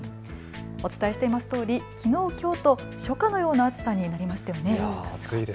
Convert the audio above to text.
お伝えしていますとおりきのう、きょうと初夏のような暑さになりましたよね。